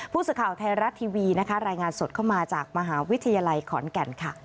ผู้สื่อข่าวไทยรัฐทีวีรายงานสดเข้ามาจากมหาวิทยาลัยขอนแก่นค่ะ